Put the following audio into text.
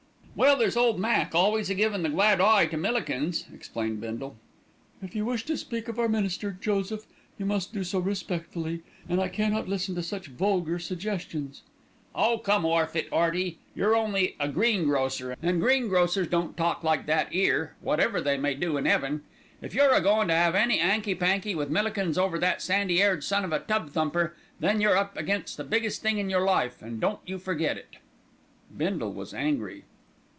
"Well, there's ole Mac, always a givin' the glad eye to Millikins," explained Bindle. "If you wish to speak of our minister, Joseph, you must do so respectfully, and I cannot listen to such vulgar suggestions." "Oh, come orf of it, 'Earty! you're only a greengrocer, an' greengrocers don't talk like that 'ere, whatever they may do in 'eaven. If you're a goin' to 'ave any 'anky panky with Millikins over that sandy 'aired son of a tub thumper, then you're up against the biggest thing in your life, an' don't you forget it." Bindle was angry.